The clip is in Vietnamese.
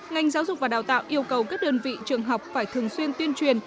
ngành giáo dục và đào tạo yêu cầu các đơn vị trường học phải thường xuyên tuyên truyền